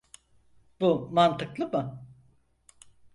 Bu mantıklı mı?